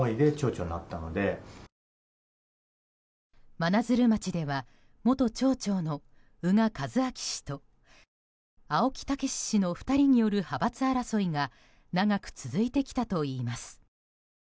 真鶴町では元町長の宇賀一章氏と青木健氏の２人による派閥争いが長く続いてきたといいます。